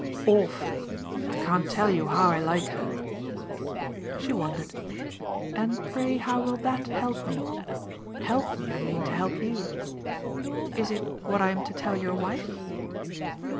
"Awfully. I can't tell you how I like her." She wondered. "And pray how will THAT help me? Help me, I mean, to help you. Is it what I'm to tell your wife?"